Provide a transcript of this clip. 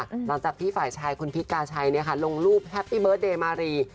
หลังจากที่ฝ่ายชายคุณพิษกาชัยเนี่ยค่ะลงรูปแฮปปี้เบิร์ตเดย์มารี